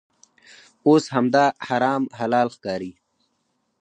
اوس همدا حرام حلال ښکاري.